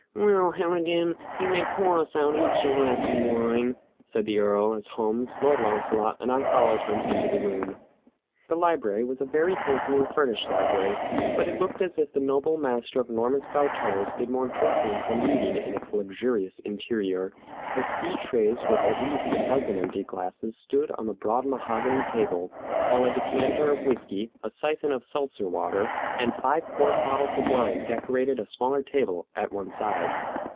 "Well, Harrigan, you may pour us out each a glass of wine," said the Earl, as Holmes, Lord Launcelot, and I followed him into the room. The library was a very handsomely furnished library, but it looked as if the noble master of Normanstow Towers did more drinking than reading in its luxurious interior, as three trays with at least a dozen empty glasses stood on the broad mahogany table, while a decanter of whiskey, a siphon of seltzer water, and five quart bottles of wine decorated a smaller table at one side.